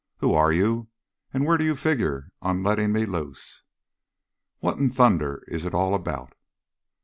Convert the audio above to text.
Who are you and where do you figure on letting me loose? What in thunder is it all about?"